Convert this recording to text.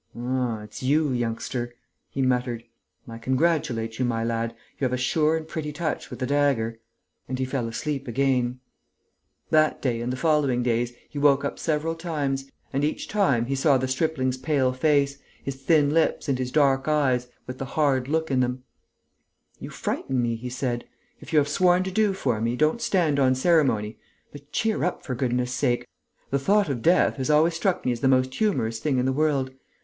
"Ah, it's you, youngster!" he murmured. "I congratulate you, my lad. You have a sure and pretty touch with the dagger." And he fell asleep again. That day and the following days, he woke up several times and, each time, he saw the stripling's pale face, his thin lips and his dark eyes, with the hard look in them: "You frighten me," he said. "If you have sworn to do for me, don't stand on ceremony. But cheer up, for goodness' sake. The thought of death has always struck me as the most humorous thing in the world.